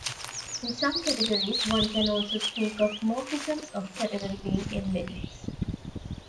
In some categories, one can also speak of morphisms of the category being embeddings.